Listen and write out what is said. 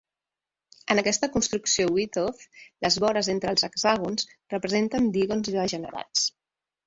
En aquesta construcció wythoff les vores entre els hexàgons representen digons degenerats.